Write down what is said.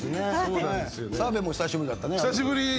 澤部も久しぶりだったね。